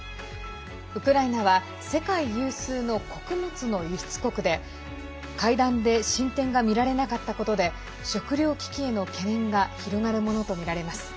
ウクライナは世界有数の穀物の輸出国で会談で進展がみられなかったことで食料危機への懸念が広がるものとみられます。